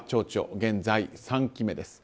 現在、３期目です。